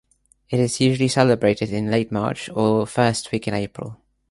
It is usually celebrated in late March or first week in April.